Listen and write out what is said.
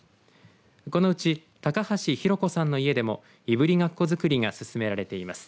このうち高橋廣子さんの家でもいぶりがっこ作りが進められています。